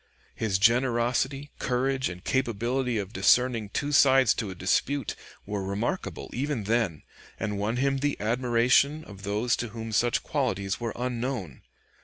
His generosity, courage, and capability of discerning two sides to a dispute, were remarkable even then, and won him the admiration of those to whom such qualities were unknown.